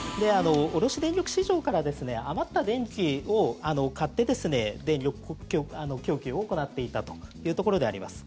卸電力市場から余った電気を買って電力供給を行っていたというところであります。